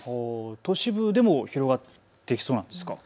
都市部でも広がっていきそうなんですか？